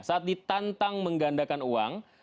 saat ditantang menggandakan uang